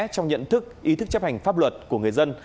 trong nhận thức ý thức chấp hành pháp luật của người dân